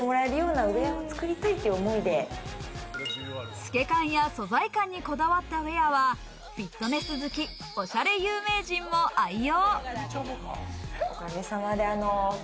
透け感や素材感にこだわったウエアはフィットネス好きおしゃれ有名人も愛用。